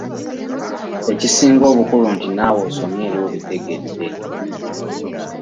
Ekisinga obukulu nti naawe osomye era obitegedde.